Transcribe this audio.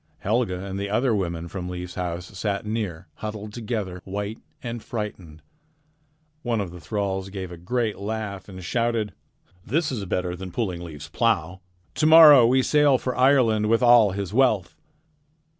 Helga and the other women from Leif's house sat near, huddled together, white and frightened. One of the thralls gave a great laugh and shouted: "This is better than pulling Leif's plow. To morrow we will sail for Ireland with all his wealth."